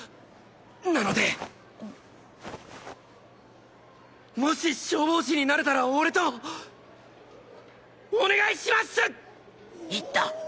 なのでもし消防士になれたら俺とお願いしまっ行った！